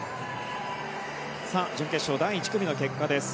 準決勝第１組の結果です。